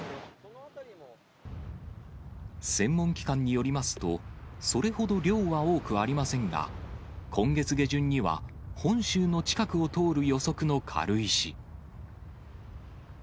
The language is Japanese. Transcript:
専門機関によりますと、それほど量は多くありませんが、今月下旬には、本州の近くを通る予測の軽石。